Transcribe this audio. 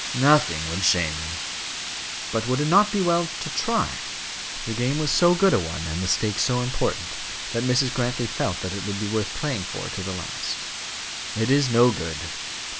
"Nothing would shame them." "But would it not be well to try?" The game was so good a one, and the stake so important, that Mrs. Grantly felt that it would be worth playing for to the last. "It is no good."